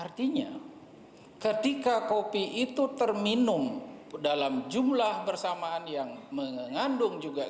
artinya ketika kopi itu terminum dalam jumlah bersamaan yang mengandung juga